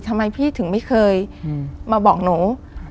ทำไมพี่ถึงไม่เคยมาบอกหนู